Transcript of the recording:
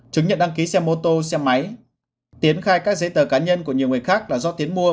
chứng nhận đăng ký xe mô tô xe máy tiến khai các giấy tờ cá nhân của nhiều người khác là do tiến mua